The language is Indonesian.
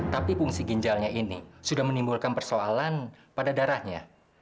tapi fungsi ginjalnya ini sudah menimbulkan persoalan pada darahnya